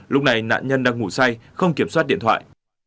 lúc này nạn nhân đang ngủ say không kiểm soát điện thoại